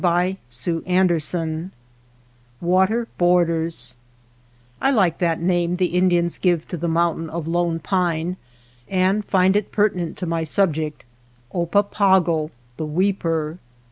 V WATER BORDERS ■"^^^f" WATER BORDERS I LIKE that name the Indians give to the mountain of Lone Pine, and find it pertinent to my subject, — Oppapago, The Weeper.